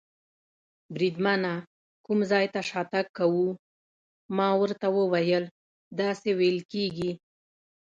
بریدمنه، کوم ځای ته شاتګ کوو؟ ما ورته وویل: داسې وېل کېږي.